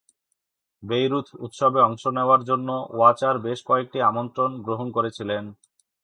Bayreuth উৎসবে অংশ নেওয়ার জন্য ওয়াচটার বেশ কয়েকটি আমন্ত্রণ গ্রহণ করেছিলেন।